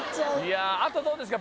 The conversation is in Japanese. あとどうですか？